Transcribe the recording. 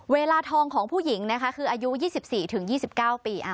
เวลาทองของผู้หญิงนะคะคืออายุ๒๔๒๙ปี